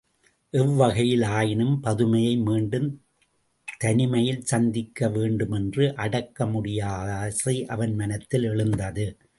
எவ்வகையில் ஆயினும் பதுமையை மீண்டும் தனிமையில் சந்திக்க வேண்டுமென்ற அடக்க முடியாத ஆசை அவன் மனத்தில் எழுந்தது.